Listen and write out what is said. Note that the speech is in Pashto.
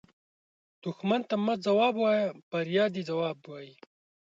دښمن ته مه ځواب وایه، بریا دې ځواب وي